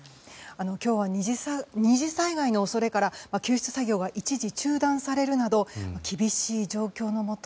今日は２次災害の恐れから救出作業が一時中断されるなど厳しい状況のもと